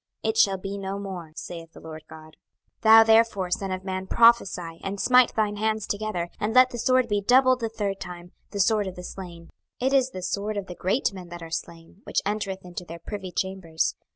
it shall be no more, saith the Lord GOD. 26:021:014 Thou therefore, son of man, prophesy, and smite thine hands together and let the sword be doubled the third time, the sword of the slain: it is the sword of the great men that are slain, which entereth into their privy chambers.